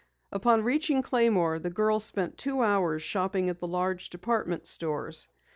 Upon reaching Claymore, the girls spent two hours shopping at the large department stores.